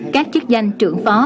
các chức danh trưởng phó